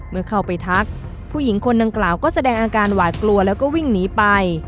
เมื่อเข้าไปทักผู้หญิงคนดังกล่าวก็แสดงอาการหวาดกลัวแล้วก็วิ่งหนีไป